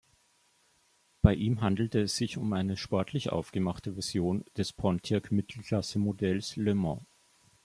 Bei ihm handelte es sich um eine sportlich aufgemachte Version des Pontiac-Mittelklassemodells Le Mans.